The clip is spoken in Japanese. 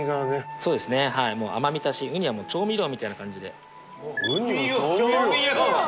そうですねはいもう甘み足しウニはもう調味料みたいな感じでウニを調味料？